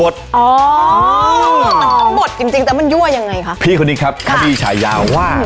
จริงแต่มันอยู่อย่างไรคะพี่คนนี้ครับตอนนี้ใช้ยาวว่า